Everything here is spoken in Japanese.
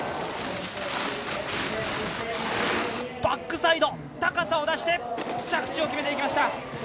バックサイド、高さを出して、着地を決めていきました。